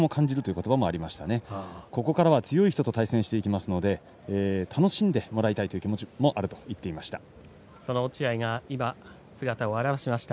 ここからは強い人と対戦していきますので楽しんでもらいたいというその落合が今姿を現しました。